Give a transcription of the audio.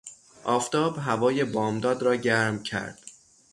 آفتاب هوای بامداد را گرم کرد.